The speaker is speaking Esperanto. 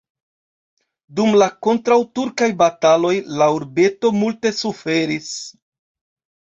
Dum la kontraŭturkaj bataloj la urbeto multe suferis.